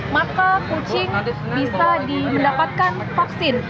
maka kucing bisa di mendapatkan vaksin